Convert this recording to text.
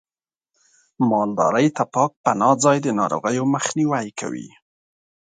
مالدارۍ ته پاک پناه ځای د ناروغیو مخنیوی کوي.